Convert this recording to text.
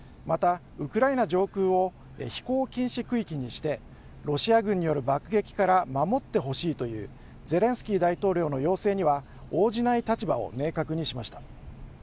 またウクライナ上空を飛行禁止区域にしてロシア軍による爆撃から守ってほしいというゼレンスキー大統領の要請には応じない立場を明確にしました。